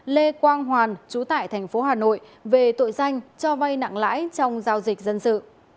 lê quang hoàn chú tại thành phố hà nội về tội danh cho vay nặng lãi trong giao dịch dân sự